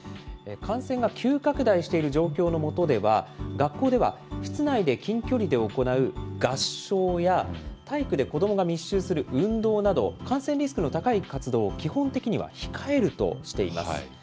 感染が急拡大している状況の下では、学校では室内で近距離で行う合唱や、体育で子どもが密集する運動など、感染リスクの高い活動を基本的には控えるとしています。